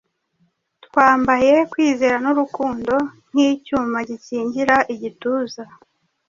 twambaye kwizera n’urukundo nk’icyuma gikingira igituza,